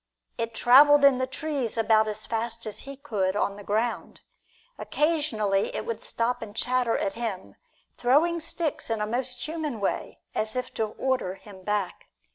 It traveled in the trees about as fast as he could on the ground. Occasionally it would stop and chatter at him, throwing sticks in a most human way, as if to order him back.